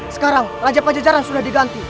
sekarang raja pajajaran sudah diganti